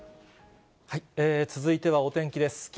続いてはお天気です。